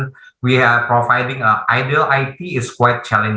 kami menyediakan it ideal yang cukup menantang